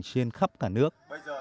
trên khắp cả nước